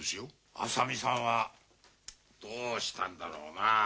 浅見さんはどうしたんだろうな？